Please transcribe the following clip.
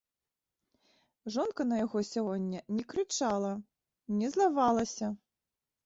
Жонка на яго сягоння не крычала, не злавалася.